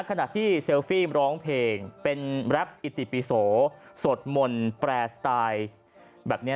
ขณะที่เซลฟี่ร้องเพลงเป็นแรปอิติปิโสสวดมนต์แปรสไตล์แบบนี้